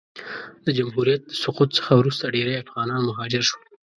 د جمهوریت د سقوط څخه وروسته ډېری افغانان مهاجر سول.